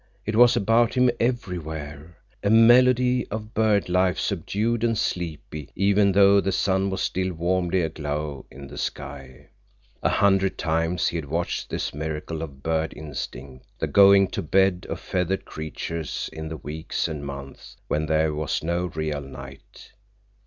It was about him everywhere, a melody of bird life subdued and sleepy even though the sun was still warmly aglow in the sky. A hundred times he had watched this miracle of bird instinct, the going to bed of feathered creatures in the weeks and months when there was no real night.